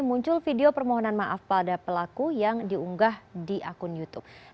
muncul video permohonan maaf pada pelaku yang diunggah di akun youtube